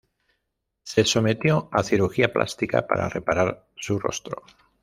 Se sometió a cirugía plástica para reparar su rostro.